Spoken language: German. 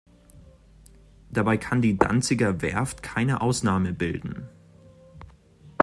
Dabei kann die Danziger Werft keine Ausnahme bilden.